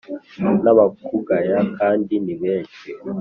Nabakugaya kandi ni benshi